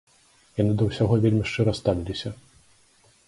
Яны да ўсяго вельмі шчыра ставіліся.